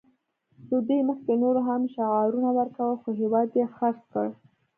له دوی مخکې نورو هم شعارونه ورکول خو هېواد یې خرڅ کړ